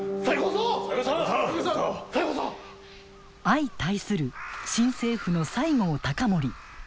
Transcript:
相対する新政府の西郷隆盛。